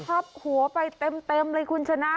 ทับหัวไปเต็มเลยคุณชนะ